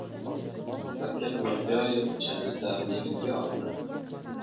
Shavkat Mirziyoyev jadidlarni yodga oldi